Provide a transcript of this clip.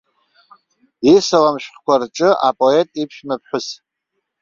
Исалам шәҟәқәа рҿы апоет иԥшәмаԥҳәыс.